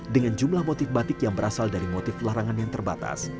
dengan jumlah motif batik yang berasal dari motif larangan yang terbatas